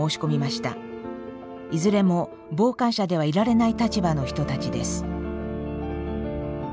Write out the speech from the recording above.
いずれも傍観者ではいられない立場の人たちです。